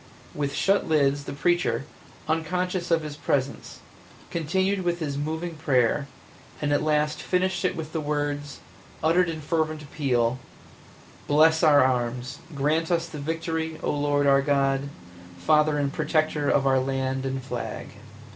With shut lids the preacher, unconscious of his presence, continued with his moving prayer, and at last finished it with the words, uttered in fervent appeal, "Bless our arms, grant us the victory, O Lord our God, Father and Protector of our land and flag!"